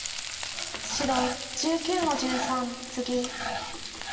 白１９の十三ツギ。